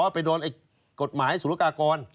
อ๋อไปโดนกฎหมายศูนยกากร